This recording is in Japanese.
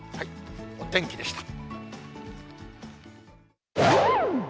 お天気でした。